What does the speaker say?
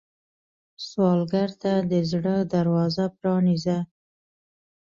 سوالګر ته د زړه دروازه پرانیزه